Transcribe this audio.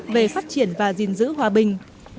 về phát triển và gìn giữ hòa bình